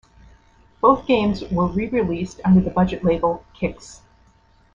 Both games were re-released under the budget label Kixx.